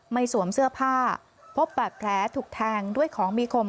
สวมเสื้อผ้าพบบาดแผลถูกแทงด้วยของมีคม